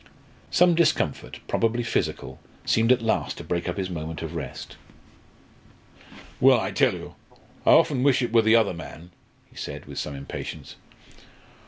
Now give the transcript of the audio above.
Some discomfort, probably physical, seemed at last to break up his moment of rest. "Well, I tell you, I often wish it were the other man," he said, with some impatience.